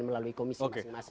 melalui komisi masing masing